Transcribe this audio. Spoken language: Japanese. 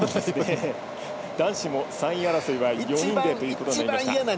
男子も３位争いは４人ということになりました。